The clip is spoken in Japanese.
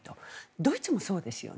ドイツもそうですよね。